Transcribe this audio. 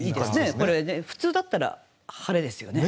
これね普通だったら晴れですよね。